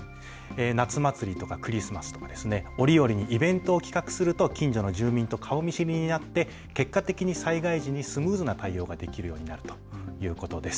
夏祭りとかクリスマスとか折々にイベントを企画すると近所の住民と顔見知りになって結果的に災害時にスムーズな対応ができるようになるということです。